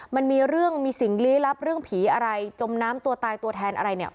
มันมีเรื่องมีสิ่งลี้ลับเรื่องผีอะไรจมน้ำตัวตายตัวแทนอะไรเนี่ย